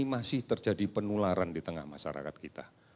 masih terjadi penularan di tengah masyarakat kita